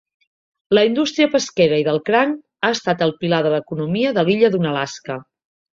La indústria pesquera i del cranc ha estat el pilar de l'economia de l'illa d'Unalaska.